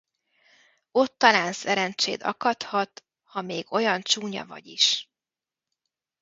Ott talán szerencséd akadhat, ha még olyan csúnya vagy is!